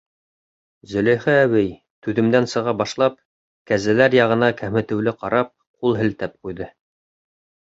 Зөләйха әбей, түҙемдән сыға башлап, кәзәләр яғына кәмһетеүле ҡарап, ҡул һелтәп ҡуйҙы.